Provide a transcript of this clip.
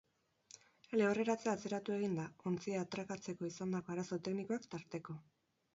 Lehorreratzea atzeratu egin da, ontzia atrakatzeko izandako arazo teknikoak tarteko.